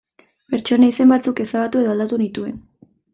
Pertsona izen batzuk ezabatu edo aldatu nituen.